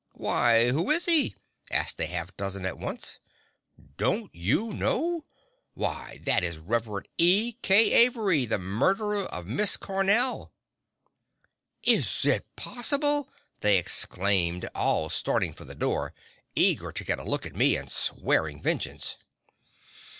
"Why, who is he?" asked half a dozen at once. "Don't you know? Why that is the Rev. E. K. Avery, the murderer of Miss Cornell!" "Is it possible!" they exclaimed, all starting for the door, eager to get a look at me, and swearing vengeance.